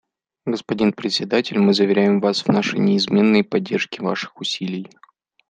Господин Председатель, мы заверяем вас в нашей неизменной поддержке ваших усилий.